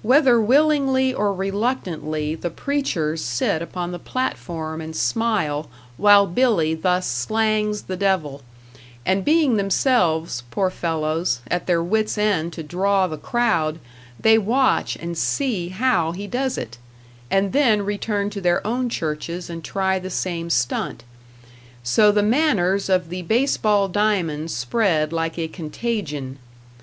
Whether willingly or reluctantly, the preachers sit upon the platform and smile while Billy thus slangs the devil; and being themselves, poor fellows, at their wits end to draw the crowd, they watch and see how he does it, and then return to their own churches and try the same stunt; so the manners of the baseball diamond spread like a contagion.